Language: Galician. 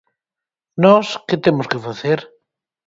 Nós ¿que temos que facer?